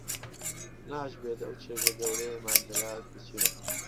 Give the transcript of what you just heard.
ناشبێت ئەو چێژە گەورەیەمان لە یاد بچێت